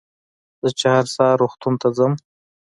زه چې هر سهار روغتون ته رڅم.